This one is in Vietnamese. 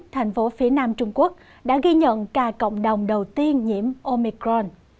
thành phố phía nam trung quốc đã ghi nhận ca cộng đồng đầu tiên nhiễm omicron